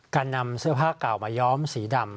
การนำเสื้อผ้าเก่ามาย้อมสีดำ